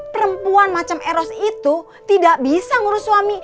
perempuan macam eros itu tidak bisa ngurus suami